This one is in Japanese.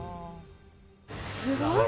すごい！